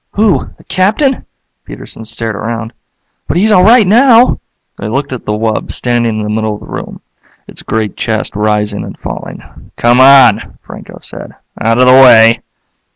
"Who? The Captain?" Peterson stared around. "But he's all right now." They looked at the wub, standing in the middle of the room, its great chest rising and falling. "Come on," Franco said. "Out of the way."